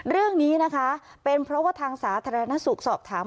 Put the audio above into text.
เรื่องนี้นะคะเป็นเพราะว่าทางสาธารณสุขสอบถาม